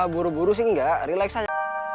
buru buru sih enggak relax aja